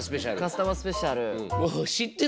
カスタマースペシャル。